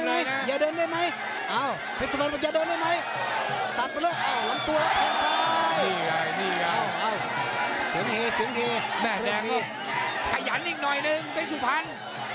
เสียงเฮย์เสียงเฮย์แม่แดงแม่แดงก็ขยันอีกหน่อยหนึ่งไอ้สุพันธ์